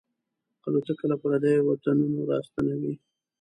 الوتکه له پردیو وطنونو راستنوي.